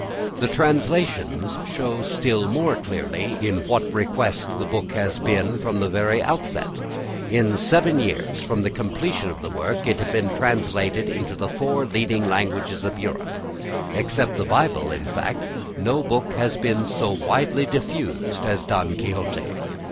The translations show still more clearly in what request the book has been from the very outset. In seven years from the completion of the work it had been translated into the four leading languages of Europe. Except the Bible, in fact, no book has been so widely diffused as "Don Quixote."